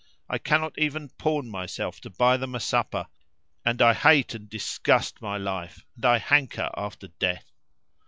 I cannot even pawn myself to buy them a supper and I hate and disgust my life and I hanker after death."